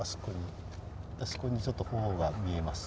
あそこにちょっと鳳凰が見えます。